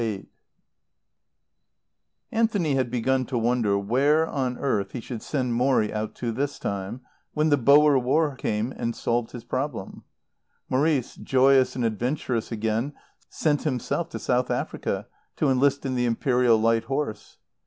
VIII Anthony had begun to wonder where on earth he should send Morrie out to this time, when the Boer War came and solved his problem. Maurice, joyous and adventurous again, sent himself to South Africa, to enlist in the Imperial Light Horse.